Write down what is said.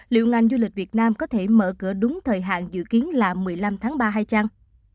liệu ngành du lịch việt nam có thể mở cửa đúng thời hạn dự kiến là một mươi năm tháng ba hai trang